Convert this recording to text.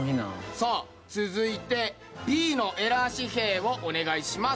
さあ続いてＢのエラー紙幣をお願いします。